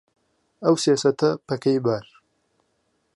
ئەو سێ سهته پکەی بار